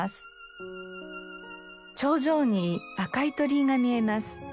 頂上に赤い鳥居が見えます。